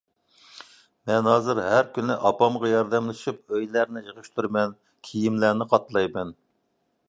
مەن ھازىر ھەر كۈنى ئاپامغا ياردەملىشىپ ئۆيلەرنى يىغىشتۇرىمەن، كىيىملەرنى قاتلايمەن.